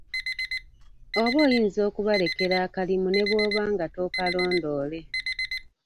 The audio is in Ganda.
Oba oyinza okubalekera akalimu ne bw'oba nga tookalondoole.